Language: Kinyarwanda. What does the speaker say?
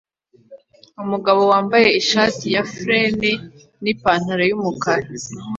Umugabo wambaye ishati ya flannel nipantaro yumukara